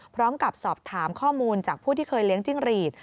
พร้อมกับสอบถามข้อมูลจากผู้ที่เคยเลี้ยงจิ้งหรีด